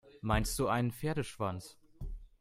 Meinst du einen Pferdeschwanz?